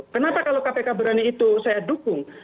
kenapa kalau kpk berani itu saya dukung